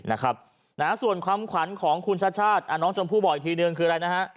มากน้องน้องจมผู้บอกอีกทีเนื้อคืออะไรนะฮะ